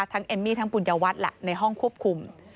ทั้งเอมมี่ทั้งปุณยวัตต์ในห้องควบคุม